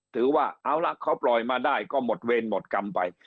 ถือว่าเอาละเขาปล่อยมาได้ก็หมดเวรหมดกรรมไป